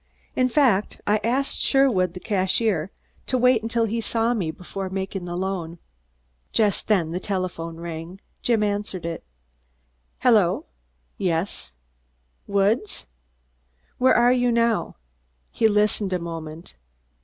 In fact I asked Sherwood, the cashier, to wait until he saw me before making the loan." Just then the telephone rang. Jim answered it. "Hello Yes Woods? Where are you now?" He listened a moment.